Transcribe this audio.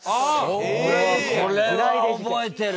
これは覚えてる！